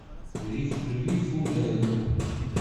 Rrif rrif udarnu.